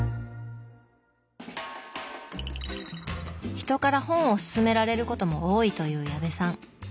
人から本をすすめられることも多いという矢部さん。